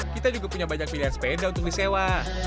kita juga punya banyak pilihan sepeda untuk disewa